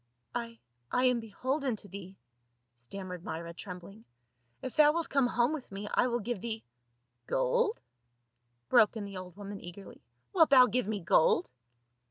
" I — I am beholden to thee," stammered Myra trembling, " if thou wilt come home with me I will give thee —"" Gold?" broke in the old woman eagerly. " Wilt thou give me gold?"